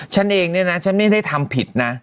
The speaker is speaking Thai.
ฉันเองเนี่ยนะฉันไม่ได้ทำผิดนะ